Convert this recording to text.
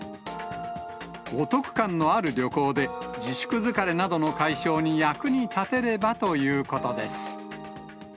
お得感のある旅行で、自粛疲れなどの解消に役に立てればということです。